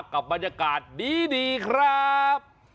กับบรรยากาศดีครับ